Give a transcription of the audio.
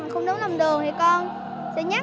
không đúng lòng đường thì con sẽ nhắc